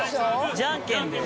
じゃんけんで？